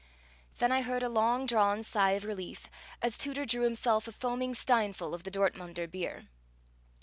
Then I heard a long drawn sigh of relief, as Tooter drew himself a foaming stein ful of the Dortmunder beer.